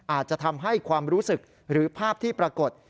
อาจจะทำให้ความรู้สึกหรือภาพที่ปรากฏ